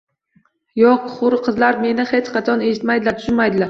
Yoʼq… Hur qizlar meni hech qachon eshitmaydilar, tushunmaydilar…